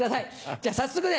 じゃ早速ね